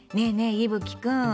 いぶきくん。